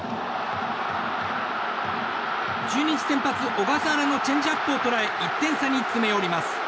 中日先発、小笠原のチェンジアップを捉え１点差に詰め寄ります。